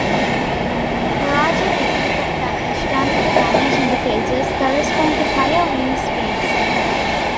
Larger degrees of damage done to the damage indicators correspond to higher wind speeds.